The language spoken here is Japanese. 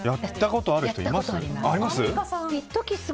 やったことある人います？あります。